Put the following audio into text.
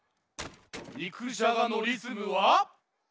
にくじゃがのリズムは。